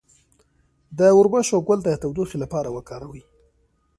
د وربشو ګل د تودوخې لپاره وکاروئ